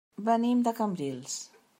Venim de Cambrils.